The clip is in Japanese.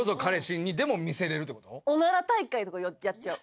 オナラ大会とかやっちゃう。